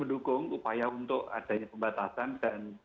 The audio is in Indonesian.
mendukung upaya untuk adanya pembatasan dan